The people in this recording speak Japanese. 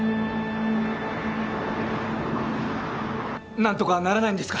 なんとかならないんですか？